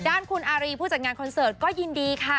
ด้านคุณอารีผู้จัดงานคอนเสิร์ตก็ยินดีค่ะ